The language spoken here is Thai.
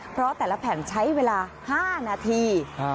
เพราะแต่ละแผ่นใช้เวลา๕นาที